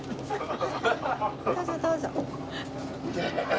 どうぞどうぞ。